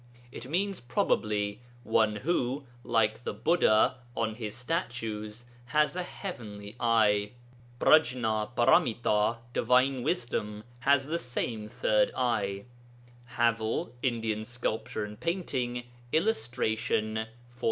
It means probably 'one who (like the Buddha on his statues) has a heavenly eye.' Prajnāparamitā (Divine Wisdom) has the same third eye (Havell, Indian Sculpture and Painting, illustr. XLV.).